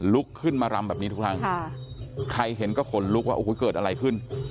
ลุกขึ้นมารำแบบนี้ทุกครั้งใครเห็นก็ขนลุกว่าโอ้โหเกิดอะไรขึ้น